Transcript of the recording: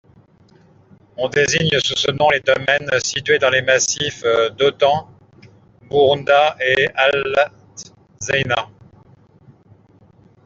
On désigne sous ce nom les dolmens situés dans les massifs d'Ataun-Burunda et Altzaina.